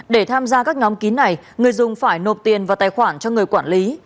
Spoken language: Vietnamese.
để tham gia các nhóm kín này người dùng phải nộp tiền vào tài khoản cho người quản lý